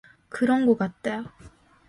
그런 거 같아요.